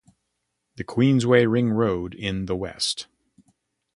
The queensway ring road in the west.